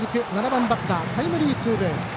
７番バッターがタイムリーツーベース。